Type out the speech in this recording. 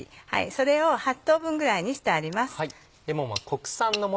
それを８等分ぐらいにしてあります。